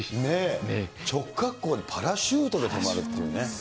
直滑降でパラシュートで止まるっていうね。